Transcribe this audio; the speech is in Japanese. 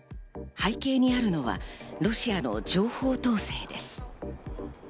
背景にあるのはロシアの情報統制です。